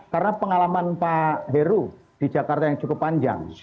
karena pengalaman pak heru di jakarta yang cukup panjang